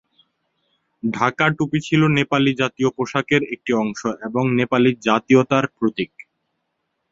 ঢাকা টুপি ছিল নেপালি জাতীয় পোশাকের একটি অংশ এবং নেপালি জাতীয়তার প্রতীক।